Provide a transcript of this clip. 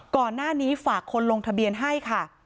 ก่อนหน้านี้ฝากคนลงทะเบียนให้ค่ะ